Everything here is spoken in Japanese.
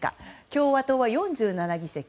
共和党は４７議席。